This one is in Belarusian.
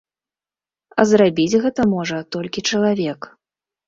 А зрабіць гэта можа толькі чалавек.